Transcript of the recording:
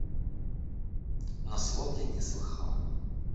Но слов я не слыхал.